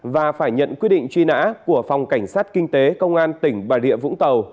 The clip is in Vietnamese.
và phải nhận quyết định truy nã của phòng cảnh sát kinh tế công an tỉnh bà địa vũng tàu